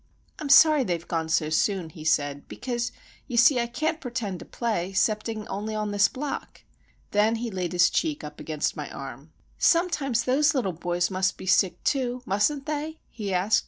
"I'm sorry they've gone so soon," he said; "because, you see, I can't pertend to play, 'cepting only on this block." Then he laid his cheek up against my arm. "Sometimes those little boys must be sick, too, mustn't they?" he asked.